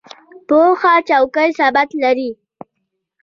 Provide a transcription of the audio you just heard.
پوخ چوکۍ ثبات لري